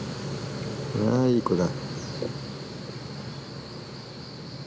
あいい子だ。